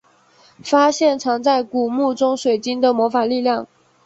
发现藏在古墓中水晶的魔法力量。